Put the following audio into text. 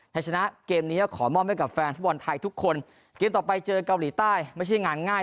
ให้ชนะเกมนี้ขอมอบให้กับแฟนฟุตบอลไทยทุกคนเกมต่อไปเจอเกาหลีใต้ไม่ใช่งานง่าย